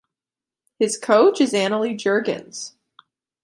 His coach is Annelie Jürgens.